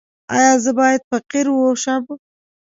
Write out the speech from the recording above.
ایا زه باید فقیر شم؟